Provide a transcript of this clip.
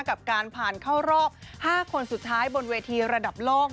กับการผ่านเข้ารอบ๕คนสุดท้ายบนเวทีระดับโลก